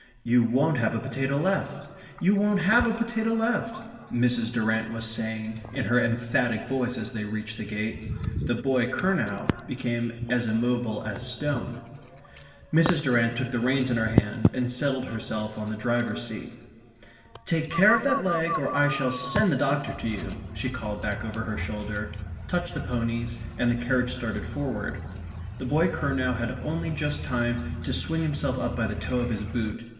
"You won't have a potato left you won't have a potato left," Mrs. Durrant was saying in her emphatic voice as they reached the gate. The boy Curnow became as immobile as stone. Mrs. Durrant took the reins in her hands and settled herself on the driver's seat. "Take care of that leg, or I shall send the doctor to you," she called back over her shoulder; touched the ponies; and the carriage started forward. The boy Curnow had only just time to swing himself up by the toe of his boot.